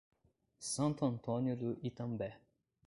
Santo Antônio do Itambé